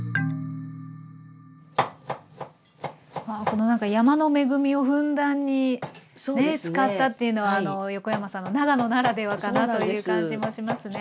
このなんか山の恵みをふんだんに使ったっていうのは横山さんの長野ならではかなという感じもしますね。